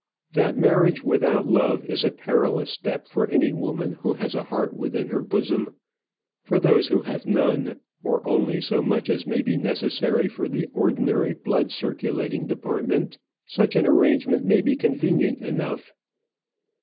That marriage without love is a perilous step for any woman who has a heart within her bosom. For those who have none or only so much as may be necessary for the ordinary blood circulating department such an arrangement may be convenient enough.